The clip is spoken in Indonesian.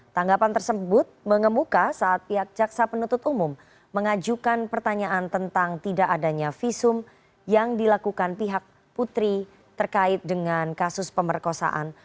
tanggapan tersebut mengemuka saat pihak jaksa penuntut umum mengajukan pertanyaan tentang tidak adanya visum yang dilakukan pihak putri terkait dengan kasus pemerkosaan